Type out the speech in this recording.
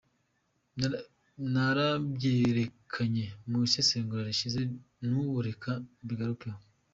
Narabyerekanye mu isesengura rishize, n’ubu reka mbigarukeho.